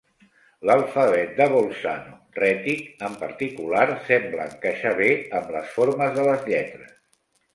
L'alfabet de Bolzano rètic en particular, sembla encaixar bé amb les formes de les lletres.